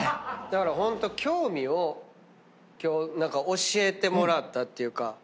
だからホント興味を今日教えてもらったっていうか。